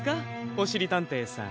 おしりたんていさん。